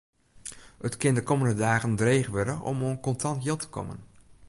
It kin de kommende dagen dreech wurde om oan kontant jild te kommen.